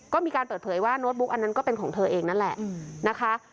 ก็มีการเปิดเผยว่าโน้ตบุ๊กอันนั้นก็เป็นของเธอเองนั่นแหละนะคะ